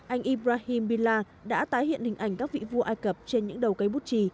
anh ibrahim bila đã tái hiện hình ảnh các vị vua ai cập trên những đầu cây bút trì